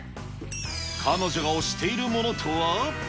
彼女が推しているものとは。